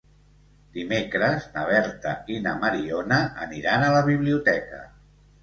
Dimecres na Berta i na Mariona aniran a la biblioteca.